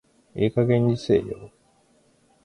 ええ加減にせえよ